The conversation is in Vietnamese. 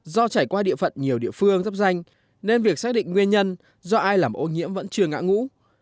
do trải qua địa phận nhiều địa phương dắp danh nên việc xác định nguyên nhân do ai làm ô nhiễm vẫn chưa ngã ngũ